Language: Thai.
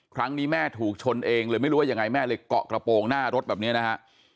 ครั้งนี้แม่ถูกชนเองเลยไม่รู้ว่ายังไงแม่เลยเกาะกระโปรงหน้ารถแบบนี้นะฮะ